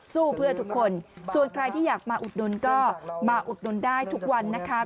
สู้เพื่อทุกคนส่วนใครที่อยากมาอุดหนุนก็มาอุดหนุนได้ทุกวันนะคะ